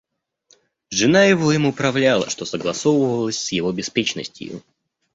Жена его им управляла, что согласовалось с его беспечностию.